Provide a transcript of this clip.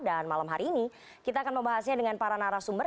dan malam hari ini kita akan membahasnya dengan para narasumber